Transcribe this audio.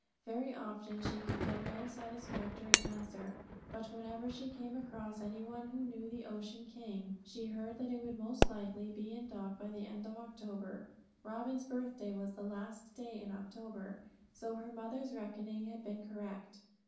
Very often she could get no satisfactory answer, but whenever she came across any one who knew the Ocean King, she heard that it would most likely be in dock by the end of October. Robin's birthday was the last day in October, so her mother's reckoning had been correct.